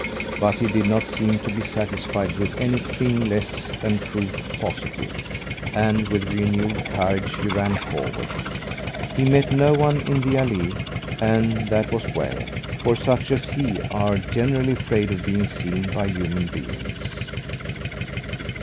But he did not seem to be satisfied with anything less than proof positive, and with renewed courage he ran forward. He met no one in the allée and that was well, for such as he are generally afraid of being seen by human beings.